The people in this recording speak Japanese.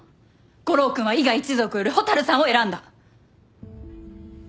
悟郎君は伊賀一族より蛍さんを選んだ。